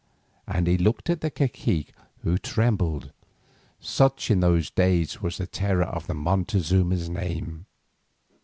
And he looked at the cacique who trembled, such in those days was the terror of Montezuma's name.